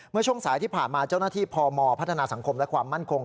เมื่อช่วงสายที่ผ่านมาเจ้าหน้าที่พมพัฒนาสังคมและความมั่นคง